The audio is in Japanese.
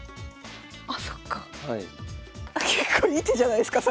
あそっか。